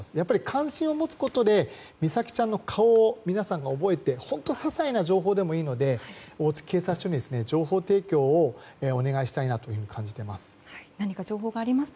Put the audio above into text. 関心を持つことで美咲ちゃんの顔を皆さんが覚えて本当に些細な情報でもいいので大月警察署に情報提供をお願いしたいと感じています。